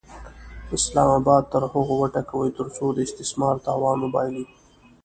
اسلام اباد تر هغو وټکوئ ترڅو د استثمار توان وبایلي.